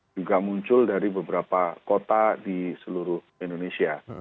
juga muncul dari beberapa kota di seluruh indonesia